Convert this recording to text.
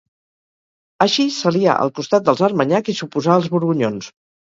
Així s'alià al costat dels Armanyac i s'oposà als Borgonyons.